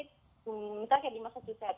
mungkin kayak di massachusetts